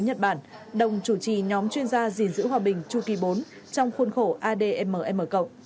nhật bản đồng chủ trì nhóm chuyên gia dình giữ hòa bình chu kỳ bốn trong khuôn khổ admm